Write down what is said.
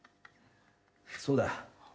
そうだ。